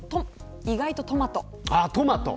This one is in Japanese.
意外とトマト。